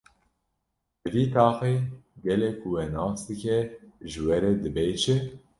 Li vî taxê gelê ku we nas dike ji we re dibê çi?